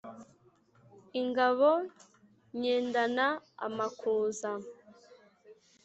Ingabo nyendana amakuza